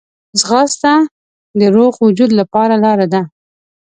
ځغاسته د روغ وجود لپاره لاره ده